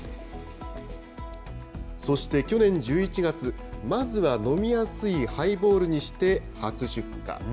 そして去年１１月、まずは飲みやすいハイボールにして初出荷。